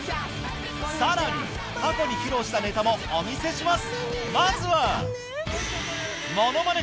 さらに過去に披露したネタもお見せします